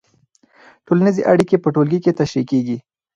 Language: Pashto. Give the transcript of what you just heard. ټولنیزې اړیکې په ټولګي کې تشریح کېږي.